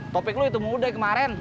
topik lo itu mau udah kemaren